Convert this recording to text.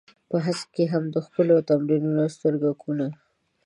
په هسک کې هم د ښکليو و تمرين د سترگکونو.